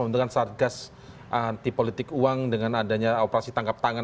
dengan satgas antipolitik uang dengan adanya operasi tangkap tangan